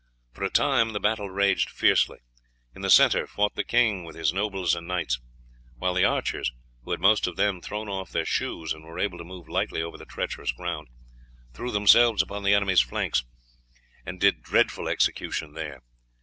For a time the battle raged fiercely. In the centre fought the king with his nobles and knights; while the archers, who had most of them thrown off their shoes and were able to move lightly over the treacherous ground, threw themselves upon the enemy's flanks, and did dreadful execution there.